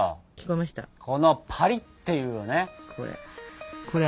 このパリッていうね音よ。